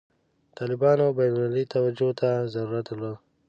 طالبانو بین المللي توجه ته ضرورت درلود.